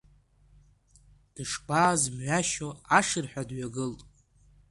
Дышгәааз мҩашьо, ашырҳәа дҩагылт.